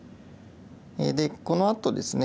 でこのあとですね